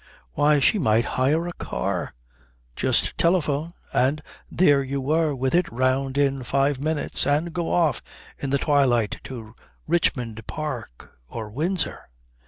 Why, she might hire a car just telephone, and there you were with it round in five minutes, and go off in the twilight to Richmond Park or Windsor.